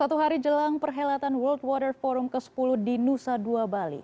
satu hari jelang perhelatan world water forum ke sepuluh di nusa dua bali